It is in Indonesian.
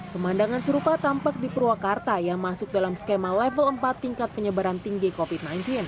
pemandangan serupa tampak di purwakarta yang masuk dalam skema level empat tingkat penyebaran tinggi covid sembilan belas